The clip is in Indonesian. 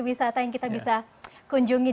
wisata yang kita bisa kunjungi